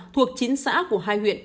thuộc chín xã của hai huyện